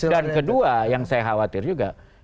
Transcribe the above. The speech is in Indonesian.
dan kedua yang saya khawatir juga